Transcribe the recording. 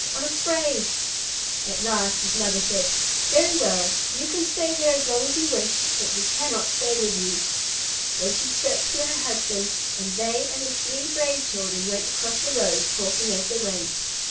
I'm afraid!" At last his mother said: "Very well. You shall stay there as long as you wish, but we cannot stay with you." Then she chirped to her husband, and they and the three brave children went across the road, talking as they went.